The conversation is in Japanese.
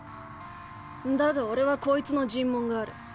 だが俺はこいつの尋問がある。